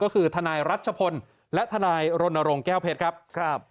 ก็คือทนายรัชพลและทนายรณรงค์แก้วเพชรครับครับ